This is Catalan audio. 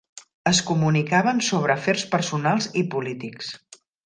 Es comunicaven sobre afers personals i polítics.